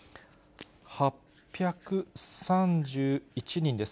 ８３１人です。